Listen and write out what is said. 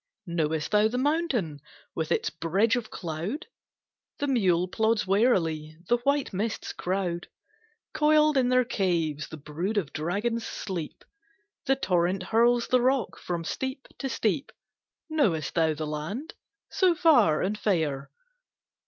Knowest thou the mountain with its bridge of cloud? The mule plods warily: the white mists crowd. Coiled in their caves the brood of dragons sleep; The torrent hurls the rock from steep to steep. Knowest thou the land? So far and fair.